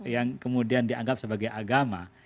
yang kemudian dianggap sebagai agama